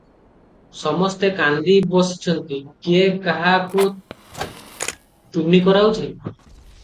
ସମସ୍ତେ କାନ୍ଦି ବସିଛନ୍ତି; କିଏ କାହାକୁ ତୁନି କରାଉଛି?